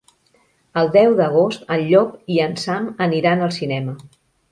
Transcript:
El deu d'agost en Llop i en Sam aniran al cinema.